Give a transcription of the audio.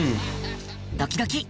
ドキドキ。